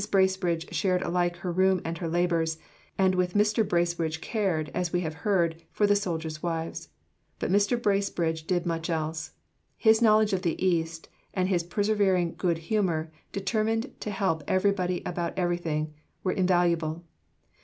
Bracebridge shared alike her room and her labours, and with Mr. Bracebridge cared, as we have heard, for the soldiers' wives. But Mr. Bracebridge did much else. His knowledge of the East, and his persevering good humour, determined to help everybody about everything, were invaluable.